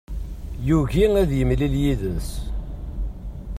Yugi ad yemlil yid-s.